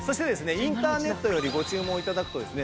インターネットよりご注文頂くとですね